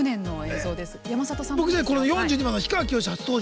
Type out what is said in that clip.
４２番の氷川きよし初登場！